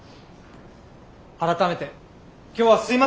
改めて今日はすみませんでした！